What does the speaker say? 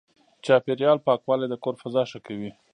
چاپېريال پاکوالی د کور فضا ښه کوي.